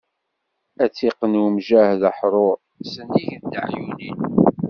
Ad tt-iqqen umjahed aḥrur, s nnig n teɛyunin.